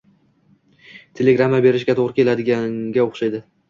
Telegramma berishga toʻgʻri keladiganga oʻxshaydi.